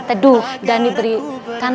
teduh dan diberikan